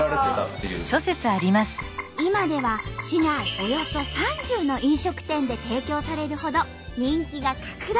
およそ３０の飲食店で提供されるほど人気が拡大。